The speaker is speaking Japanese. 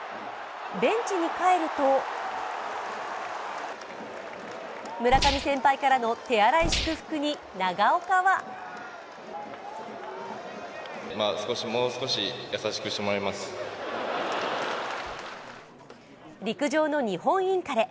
ベンチに帰ると村上先輩からの手荒い祝福に長岡は陸上の日本インカレ。